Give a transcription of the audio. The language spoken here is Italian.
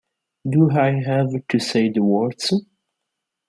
Do I Have to Say the Words?